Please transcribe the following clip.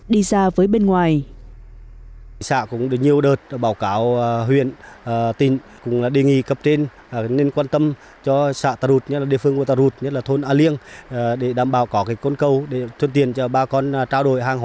đi ra với bên ngoài